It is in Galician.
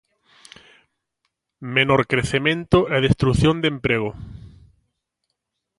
Menor crecemento e destrución de emprego.